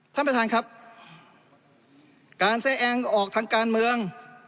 ท่านประธานครับการแซ่องออกทางการเมือง